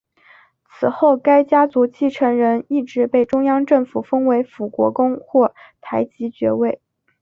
此后该家族继承人一直被中央政府封为辅国公或台吉爵位。